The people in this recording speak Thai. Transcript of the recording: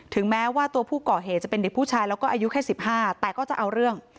แม้ว่าตัวผู้ก่อเหตุจะเป็นเด็กผู้ชายแล้วก็อายุแค่๑๕แต่ก็จะเอาเรื่อง